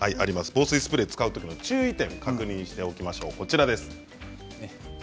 防水スプレーを使うときの注意点を確認しておきましょう。